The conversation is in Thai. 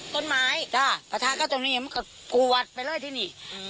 ต้นไม้จ้ะปะทะก็ตรงนี้มันก็กวดไปเลยที่นี่